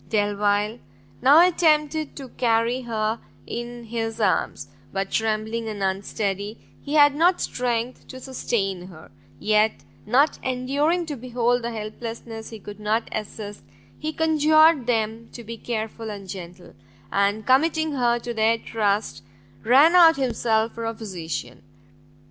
Delvile now attempted to carry her in his arms; but trembling and unsteady, he had not strength to sustain her; yet not enduring to behold the helplessness he could not assist, he conjured them to be careful and gentle, and, committing her to their trust, ran out himself for a physician.